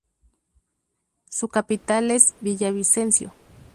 Su capital es Villavicencio.